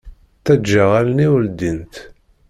Taǧǧaɣ allen-iw ldint.